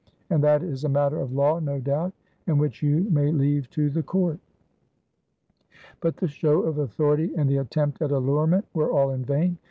And that is a matter of law, no doubt, and which you may leave to the Court. But the show of authority and the attempt at allurement were all in vain.